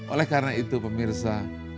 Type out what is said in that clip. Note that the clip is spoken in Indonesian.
oleh karena itu pemirsa